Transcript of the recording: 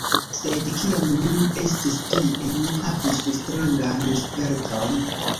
Sed, kiam mi estis tie, mi havis strangan sperton: